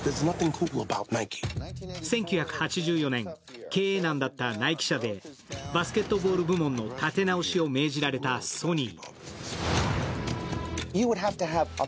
１９８４年、経営難だったナイキ社でバスケットボール部門の立て直しを命じられたソニー。